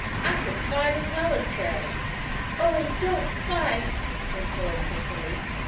I can fight as well as pray." "Oh, don't fight," implored Cecily.